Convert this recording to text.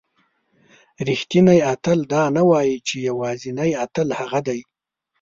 رښتینی اتل دا نه وایي چې یوازینی اتل هغه دی.